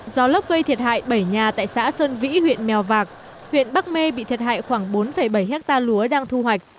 gió lốc gây thiệt hại bảy nhà tại xã sơn vĩ huyện mèo vạc huyện bắc mê bị thiệt hại khoảng bốn bảy hectare lúa đang thu hoạch